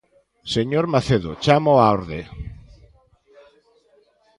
Señor Macedo, chámoo á orde.